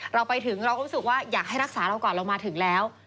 เราไปถึงเราก็รู้สึกว่าอยากให้รักษาเราก่อนเรามาถึงแล้ว